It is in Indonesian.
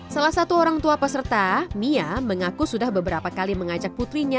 salah satu orang tua peserta mia mengaku sudah beberapa kali mengajak putrinya